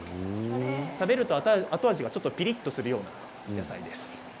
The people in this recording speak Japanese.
食べると後味がぴりっとするような野菜です。